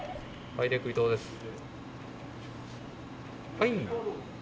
☎はい。